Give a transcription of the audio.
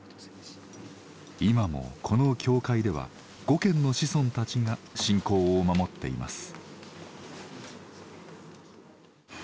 今もこの教会では５軒の子孫たちが信仰を守っています。